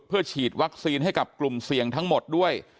เพื่อฉีดวัคซีนให้กับกลุ่มเสี่ยงทั้งหมดด้วย